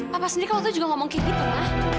papa sendiri kan waktu itu juga ngomong kayak gitu ma